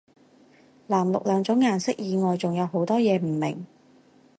藍綠兩種顏色以外仲有好多嘢唔明